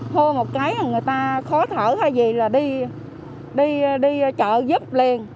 thua một cái người ta khó thở hay gì là đi chợ giúp liền